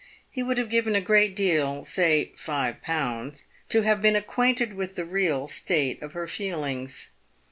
He would have given a good deal — say five pounds — to have been acquainted with the real state of her feelings.